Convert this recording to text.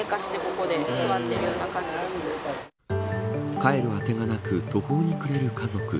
帰るあてがなく途方に暮れる家族。